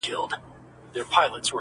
چي په سرو وینو کي اشنا وویني~